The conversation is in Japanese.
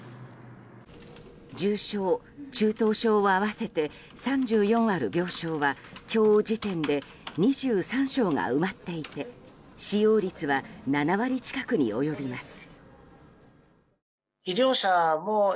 重症・中等症を合わせて３４ある病床は今日時点で２３床が埋まっていて使用率は７割近くに及びます。